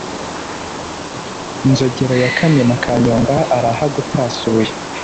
Nzogera ya Kamina ka Nyonga arahagutasuye.